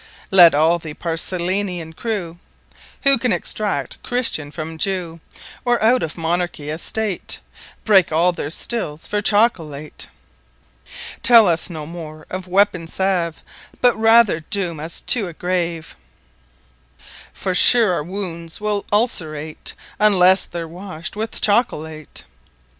Let all the Paracelsian Crew Who can Extract Christian from Jew; Or out of Monarchy, A State, Breake `all their Stills for Chocolate. Tell us no more of Weapon Salve, But rather Doome us to a Grave: For sure our wounds will Ulcerate, Unlesse they're wash'd with Chocolate.